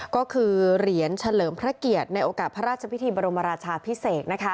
ก็คือเหรียญเฉลิมพระเกียรติในโอกาสพระราชพิธีบรมราชาพิเศษ